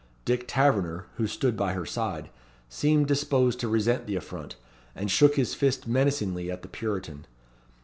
Dick Taverner, who stood by her side, seemed disposed to resent the affront, and shook his fist menacingly at the Puritan.